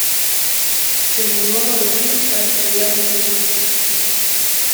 Se mudó a Madrid para estudiar Medicina.